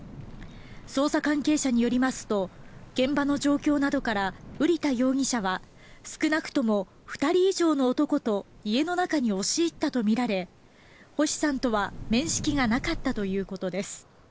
捜査関係者によりますと現場の状況などから瓜田容疑者は少なくとも２人以上の男と家の中に押し入ったとみられ星さんとは面識がなかったということです。